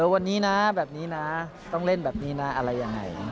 วันนี้นะแบบนี้นะต้องเล่นแบบนี้นะอะไรยังไง